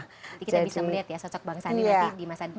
jadi kita bisa melihat ya sosok bang sandi berarti di masa depan